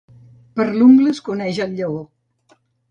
Per l'ungla es coneix el lleó.